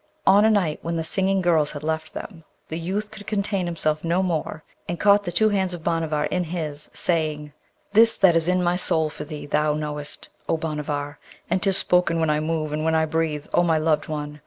On a night, when the singing girls had left them, the youth could contain himself no more, and caught the two hands of Bhanavar in his, saying, 'This that is in my soul for thee thou knowest, O Bhanavar! and 'tis spoken when I move and when I breathe, O my loved one!